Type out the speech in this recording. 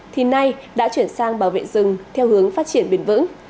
thì nay đã chuyển sang bảo vệ rừng theo hướng phát triển bền vững